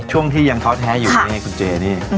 ช่วงที่ยังท้อแท้อยู่นี่ไงคุณเจนี่